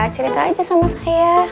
cerita aja sama saya